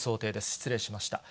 失礼しました。